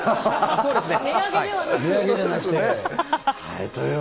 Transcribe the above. そうですね。